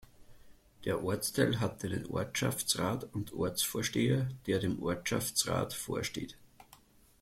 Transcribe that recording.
Der Ortsteil hat einen Ortschaftsrat und Ortsvorsteher, der dem Ortschaftsrat vorsteht.